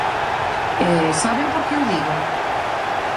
E ¿saben por que o digo?